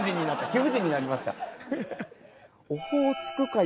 貴婦人になりました。